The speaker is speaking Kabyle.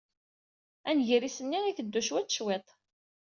Anegris-nni itteddu cwiṭ, cwiṭ.